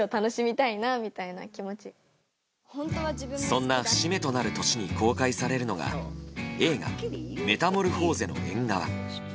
そんな節目となる年に公開されるのが映画「メタモルフォーゼの縁側」。